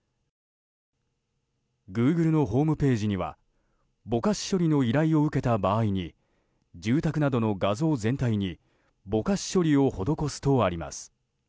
グーグルのホームページにはぼかし処理の依頼を受けた場合に住宅などの画像全体にぼかし処理を施すとあります。